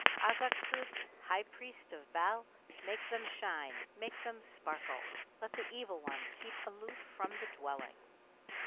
Azagsud, high priest of Bêl, make them shine, make them sparkle! Let the evil one keep aloof from the dwelling!